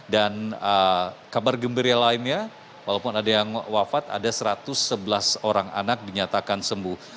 dan kabar gembira lainnya walaupun ada yang wafat ada satu ratus sebelas orang anak dinyatakan sembuh